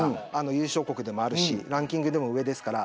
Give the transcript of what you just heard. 優勝国ですしランキングでも上ですから。